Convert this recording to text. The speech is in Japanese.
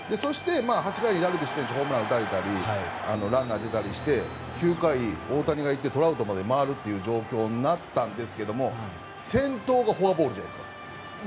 ８回にダルビッシュ選手がホームランを打たれたりランナー出たりして９回、大谷がいってトラウトまで回る状況になったんですが先頭がフォアボールじゃないですか。